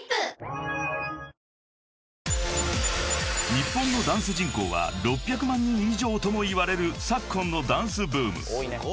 ［日本のダンス人口は６００万人以上ともいわれる昨今のダンスブーム］